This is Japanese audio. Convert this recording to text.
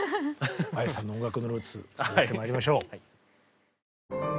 Ａｙａｓｅさんの音楽のルーツ続いてまいりましょう。